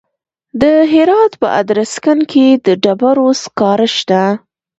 د هرات په ادرسکن کې د ډبرو سکاره شته.